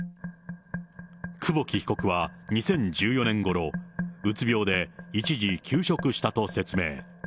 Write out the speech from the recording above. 久保木被告は２０１４年ごろ、うつ病で一時休職したと説明。